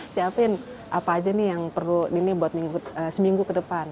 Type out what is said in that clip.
siapin apa aja nih yang perlu ini buat seminggu ke depan